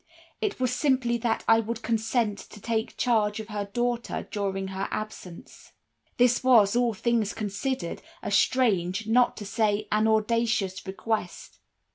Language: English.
It was simply that I would consent to take charge of her daughter during her absence. "This was, all things considered, a strange, not to say, an audacious request.